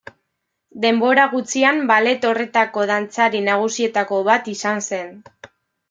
Denbora gutxian ballet horretako dantzari nagusietako bat izan zen.